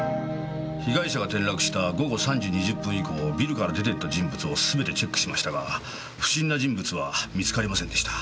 被害者が転落した午後３時２０分以降ビルから出て行った人物をすべてチェックしましたが不審な人物は見つかりませんでした。